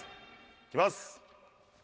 いきます。